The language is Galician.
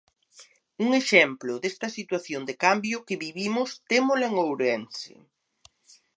Un exemplo desta situación de cambio que vivimos témola en Ourense.